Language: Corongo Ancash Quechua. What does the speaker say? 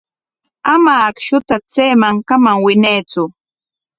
Ama akshuta chay mankaman winaytsu.